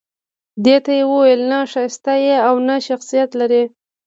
دې ته يې وويل نه ښايسته يې او نه شخصيت لرې